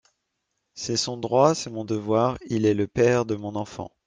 C'est son droit, c'est mon devoir, il est le père de mon enfant.